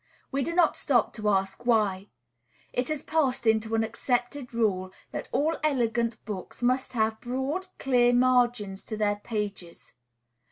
We do not stop to ask why. It has passed into an accepted rule that all elegant books must have broad, clear margins to their pages.